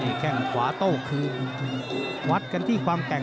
แข้งขวาโต้คืนวัดกันที่ความแกร่ง